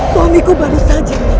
suamiku baru saja nih